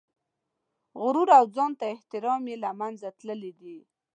غرور او ځان ته احترام یې له منځه تللي دي.